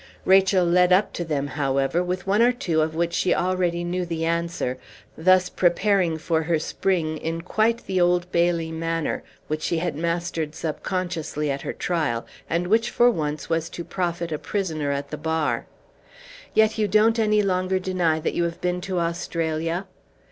Rachel led up to them, however, with one or two of which she already knew the answer, thus preparing for her spring in quite the Old Bailey manner, which she had mastered subconsciously at her trial, and which for once was to profit a prisoner at the bar. "Yet you don't any longer deny that you have been to Australia?"